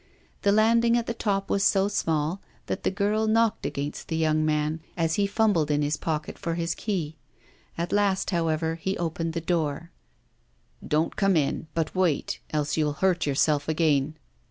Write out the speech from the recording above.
The landing at the top was so small that the girl knocked against the young man, as he fumbled in his pocket for his key. At last, however, he opened the door. 'Don't come in, but wait, else you'll hurt yourself again.